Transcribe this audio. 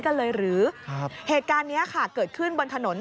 ผมขังรถอยู่ป่าเพิ่มผมกลัวจะตอบ